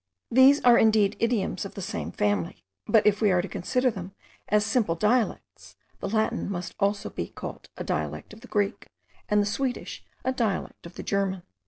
These are indeed idioms of the same family; but if we are to consider them as simple dialects, the Latin must be also called a dialect of the Greek, and the Swedish a dialect of the German.